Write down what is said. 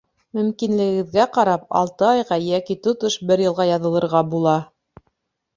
Мөмкинлегегеҙгә ҡарап, алты айға йәки тотош бер йылға яҙылырға була.